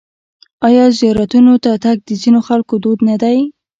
آیا زیارتونو ته تګ د ځینو خلکو دود نه دی؟